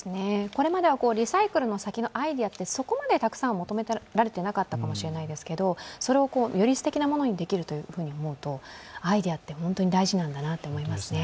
これまではリサイクルの先のアイデアって、そこまでたくさん求められていなかったかもしれないですけれども、それを現実的なものにできると考えるとアイデアって本当に大事なんだなと思いますね。